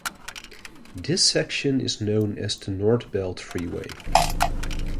This section is known as the North Belt Freeway.